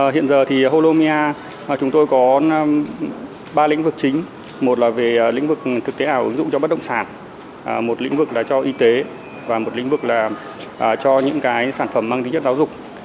hiện giờ thì holomia chúng tôi có ba lĩnh vực chính một là về lĩnh vực thực tế ảo ứng dụng cho bất động sản một lĩnh vực là cho y tế và một lĩnh vực là cho những cái sản phẩm mang tính chất giáo dục